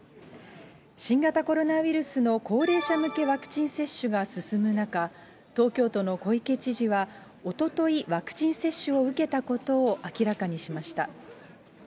新型コロナウイルスの高齢者向けワクチン接種が進む中、東京都の小池知事は、おととい、ワクチン接種を受けたことを明らかにしました。